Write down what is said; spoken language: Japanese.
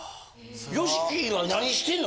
ＹＯＳＨＩＫＩは何してんの？